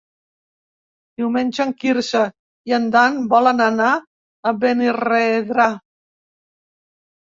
Diumenge en Quirze i en Dan volen anar a Benirredrà.